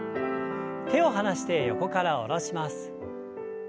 手を離して横から下ろします。